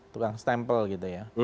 tukang stempel gitu ya